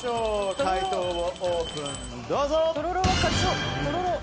解答をオープン、どうぞ。